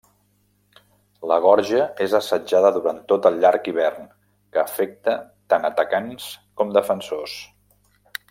La Gorja és assetjada durant tot el Llarg Hivern, que afecta tant atacants com defensors.